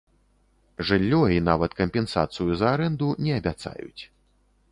Жыллё і нават кампенсацыю за арэнду не абяцаюць.